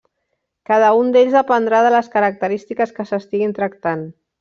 Cada un d'ells dependrà de les característiques que s'estiguin tractant.